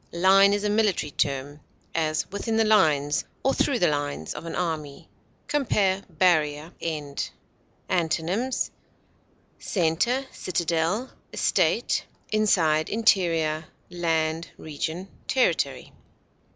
Line is a military term; as, within the lines, or through the lines, of an army. Compare BARRIER; END. Antonyms: center, citadel, estate, inside, interior, land, region, territory.